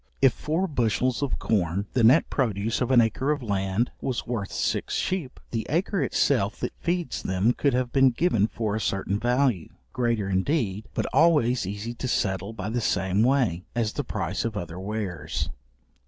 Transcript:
If four bushels of corn, the net produce of an acre of land, was worth six sheep, the acre itself that feeds them could have been given for a certain value, greater indeed, but always easy to settle by the same way, as the price of other wares.